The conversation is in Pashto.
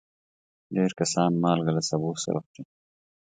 ډېر کسان مالګه له سبو سره خوري.